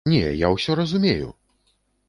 Не, я ўсё разумею!